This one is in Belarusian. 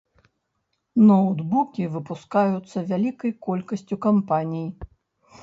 Ноўтбукі выпускаюцца вялікай колькасцю кампаній.